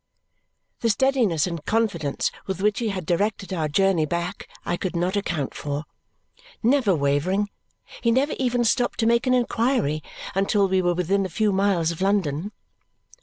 The steadiness and confidence with which he had directed our journey back I could not account for. Never wavering, he never even stopped to make an inquiry until we were within a few miles of London.